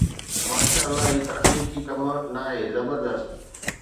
ماشاءَ الله، هي تخليقي ڪم ناهي. زبردست